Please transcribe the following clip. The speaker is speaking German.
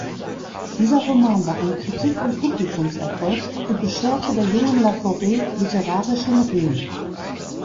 Dieser Roman war ein Kritik- und Publikumserfolg und bescherte der jungen Laforet literarischen Ruhm.